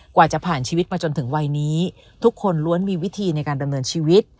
กว่าจะผ่านชีวิตมาจนถึงวัยนี้ทุกคนล้วนมีวิธีในการดำเนินชีวิต